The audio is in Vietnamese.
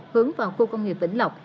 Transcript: hướng vào khu công nghiệp tỉnh lộc